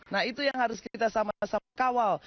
nah itu yang harus kita sama sama kawal